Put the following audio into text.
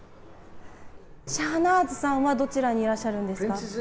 シャナーズさんは、どちらにいらっしゃるんですか。